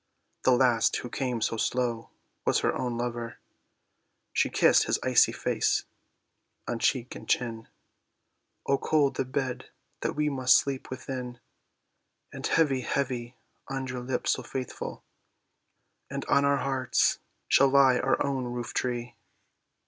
The last who came so slow was her own lover, She kissed his icy face on cheek and chin, "O cold shall be your house to night, beloved, O cold the bed that we must sleep within. "And heavy, heavy, on our lips so faithful And on our hearts, shall lie our own roof tree."